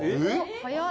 早い！